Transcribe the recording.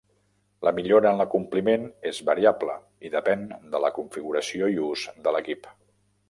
La millora en l'acompliment és variable i depèn de la configuració i ús de l'equip.